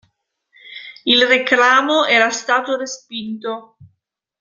Il reclamo era stato respinto.